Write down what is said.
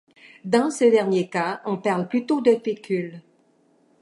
Dans ce dernier cas on parle plutôt de fécule.